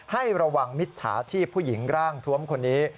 ให้ระวังมิจฉาชีพผู้หญิงร่างทวมคนนี้